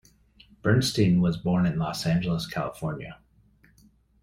Bernstein was born in Los Angeles, California.